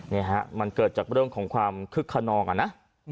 นี่ฮะมันเกิดจากเรื่องของความคึกขนองอ่ะนะ